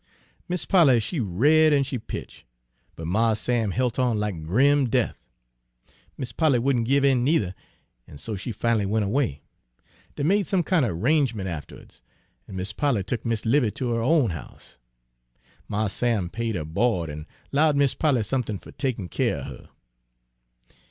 "Mis' Polly she r'ared an' she pitch', but Mars Sam helt on like grim death. Mis' Polly wouldn' give in neither, an' so she fin'lly went away. Dey made some kind er 'rangement afterwa'ds, an' Miss Polly tuck Mis' 'Livy ter her own house. Mars Sam paid her bo'd an' 'lowed Mis' Polly somethin' fer takin' keer er her."